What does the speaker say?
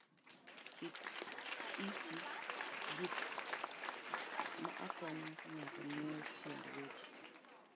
Kik iti gi gik m akonyo ng'ato ng'eyo tiend weche